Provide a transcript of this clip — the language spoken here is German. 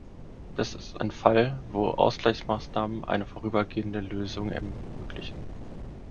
Das ist ein Fall, wo Ausgleichsmaßnahmen eine vorübergehende Lösung ermöglichen.